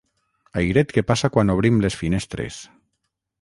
Airet que passa quan obrim les finestres.